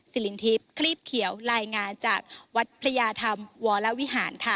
สิรินทิพย์คลีบเขียวรายงานจากวัดพระยาธรรมวรวิหารค่ะ